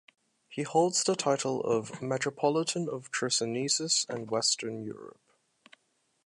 He holds the title of "Metropolitan of Chersonesus and Western Europe".